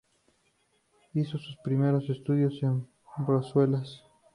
Hizo sus primeros estudios en Bruselas.